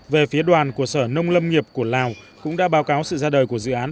về phía đoàn của sở nông lâm nghiệp của lào cũng đã báo cáo sự ra đời của dự án